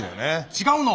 違うの？